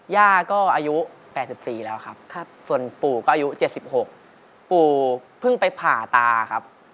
ย่าก็อายุ๘๔แล้วครับส่วนปู่ก็อายุ๗๖ปู่เพิ่งไปผ่าตาครับ